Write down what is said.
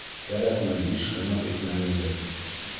Кәрәкмәй биш һыныҡ икмәгегеҙ.